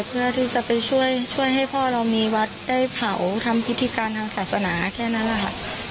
เพื่อที่จะไปช่วยให้พ่อเรามีวัดได้เผาทำพิธีการทางศาสนาแค่นั้นแหละค่ะ